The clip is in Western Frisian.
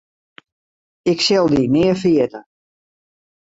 Ik sil dy nea ferjitte.